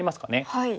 はい。